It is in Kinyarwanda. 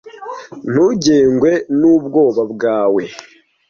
Ntugengwe nubwoba bwawe.